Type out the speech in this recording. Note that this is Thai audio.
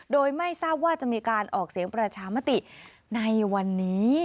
โดยไม่ทราบว่าจะมีการออกเสียงประชามติในวันนี้